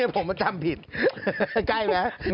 ผมมาทำผิดใกล้ไหม